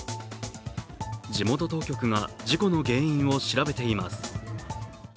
地元当局が事故の原因を調べています。